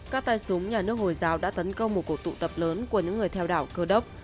các tay súng nhà nước hồi giáo đã tấn công một cuộc tụ tập lớn của những người theo đạo cơ đốc